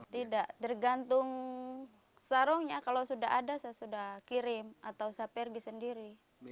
tidak tergantung sarungnya kalau sudah ada saya sudah kirim atau saya pergi sendiri